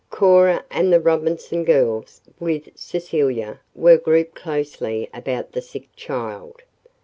Cora and the Robinson girls with Cecilia were grouped closely about the sick child.